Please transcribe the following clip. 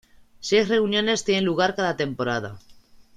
Seis reuniones tienen lugar cada temporada.